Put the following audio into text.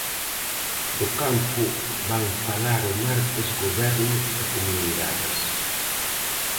Do campo van falar o martes goberno e comunidades.